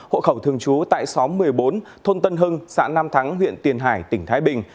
hộ khẩu thường trú tại xóm một mươi bốn thôn tân hưng xã nam thắng huyện tiền hải tỉnh thái bình